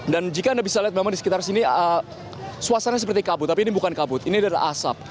dan jika anda bisa lihat memang di sekitar sini suasana seperti kabut tapi ini bukan kabut ini adalah asap